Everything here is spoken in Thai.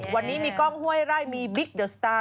วันนี้มีกล้องห้วยไร่มีบิ๊กเดอร์สตาร์